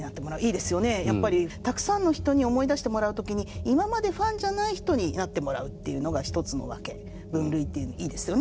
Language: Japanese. やっぱりたくさんの人に思い出してもらう時に今までファンじゃない人になってもらうっていうのが一つの分け分類っていうのいいですよね。